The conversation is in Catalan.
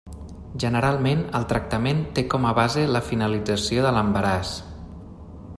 Generalment, el tractament té com a base la finalització de l'embaràs.